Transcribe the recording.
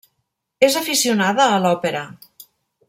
És aficionada a l'òpera.